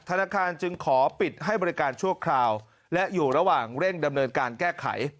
ธนาคารจึงขอปิดให้บริการชั่วคราวและอยู่ระหว่างเร่งดำเนินการแก้ไข